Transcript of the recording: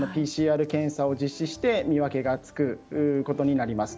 ＰＣＲ検査を実施して見分けがつくことになります。